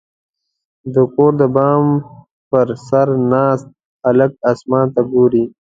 • د کور د بام پر سر ناست هلک اسمان ته ګوري.